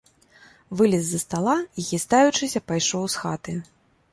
Вылез з-за стала і, хістаючыся, пайшоў з хаты.